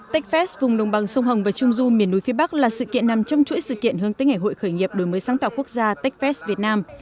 techfest vùng đồng bằng sông hồng và trung du miền núi phía bắc là sự kiện nằm trong chuỗi sự kiện hướng tới ngày hội khởi nghiệp đổi mới sáng tạo quốc gia techfest việt nam